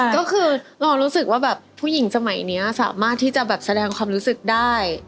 ก็คือเรารู้สึกว่าแบบผู้หญิงสมัยนี้สามารถที่จะแบบแสดงความรู้สึกได้